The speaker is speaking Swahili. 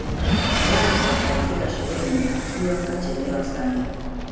malatwe alifika shuleni akiwa kachelewa sana